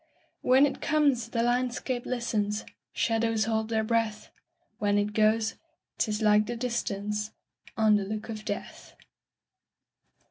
When it comes, the landscape listens, Shadows hold their breath; When it goes, 't is like the distanceOn the look of death.